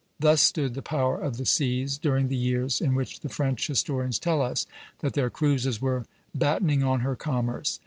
Thus stood the Power of the Seas during the years in which the French historians tell us that their cruisers were battening on her commerce.